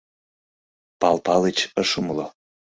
— Пал Палыч ыш умыло.